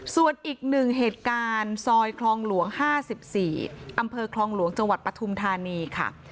ส่วนอีกหนึ่งเหตุการณ์ซอยคลองหลวง๕๔อำเภอคลองหลวงจังหวัดปฐุมธานีค่ะ